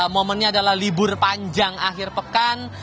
momennya adalah libur panjang akhir pekan